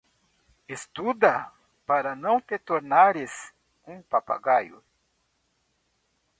Estuda para não te tornares um papagaio.